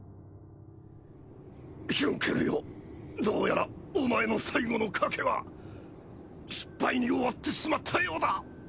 ヒュンケルよどうやらお前の最後の賭けは失敗に終わってしまったようだ。